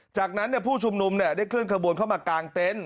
จากนั้นเนี่ยผู้ชมนุมเนี่ยได้เคลื่อนขบวนเข้ามากลางเต็นต์